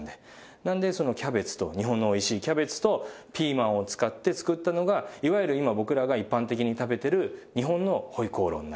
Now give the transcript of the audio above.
なのでそのキャベツと日本のおいしいキャベツとピーマンを使って作ったのがいわゆる今僕らが一般的に食べてる日本の回鍋肉になります。